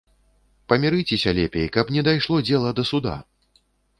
Памірыцеся лепей, каб не дайшло дзела да суда!